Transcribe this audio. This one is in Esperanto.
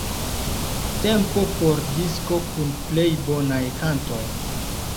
Tempo por 'disko kun plej bonaj kantoj'.